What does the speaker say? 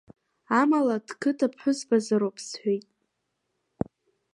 Амала, дқыҭа ԥҳәызбазароуп, — сҳәеит.